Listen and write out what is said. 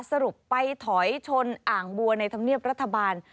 สรุปไปถอยชนอ่างบัวในธรรมเนียบรัฐบาล